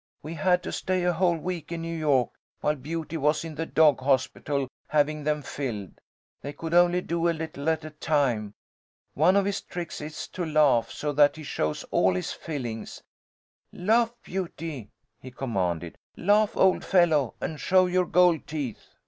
"We had to stay a whole week in New York while Beauty was in the dog hospital, having them filled. They could only do a little at a time. One of his tricks is to laugh so that he shows all his fillings. Laugh, Beauty!" he commanded. "Laugh, old fellow, and show your gold teeth!"